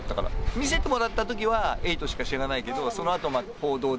見せてもらったときは、エイトしか知らないけど、そのあと報道で。